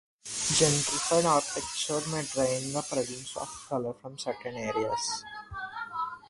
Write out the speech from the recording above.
Gentrified architecture may drain the presence of color from certain areas.